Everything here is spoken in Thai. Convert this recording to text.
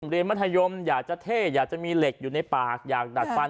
มัธยมอยากจะเท่อยากจะมีเหล็กอยู่ในปากอยากดัดฟัน